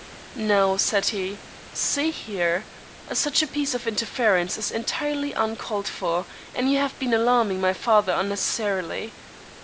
"Now," said he, "see here. Such a piece of interference is entirely uncalled for, and you have been alarming my father unnecessarily.